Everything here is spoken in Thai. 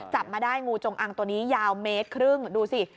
จับมาได้งูจงอังตัวนี้ยาวเมตรครึ่งดูสิ